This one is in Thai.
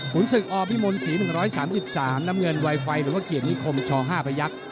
ศึกอพิมลศรี๑๓๓น้ำเงินไวไฟหรือว่าเกียรตินิคมช๕พยักษ์